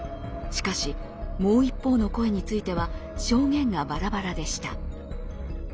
しかしもう一方の声については証言がバラバラでした。